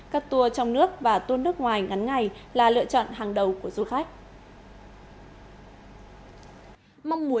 các tour trong nước và tour nước ngoài ngắn ngày là lựa chọn hàng đầu của du khách